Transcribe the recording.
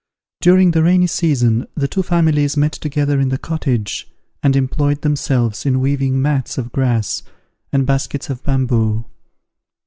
During the rainy season the two families met together in the cottage, and employed themselves in weaving mats of grass, and baskets of bamboo.